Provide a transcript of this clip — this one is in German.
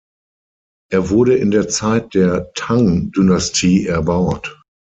Er wurde in der Zeit der Tang-Dynastie erbaut.